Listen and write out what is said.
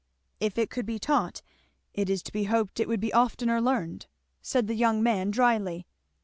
"If it could be taught it is to be hoped it would be oftener learned," said the young man dryly.